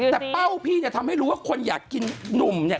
แต่เป้าพี่เนี่ยทำให้รู้ว่าคนอยากกินหนุ่มเนี่ย